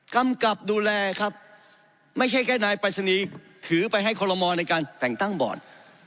กำกับดูแลครับไม่ใช่แค่นายปรัชนีถือไปให้คอลโลมอลในการแต่งตั้งบอร์ด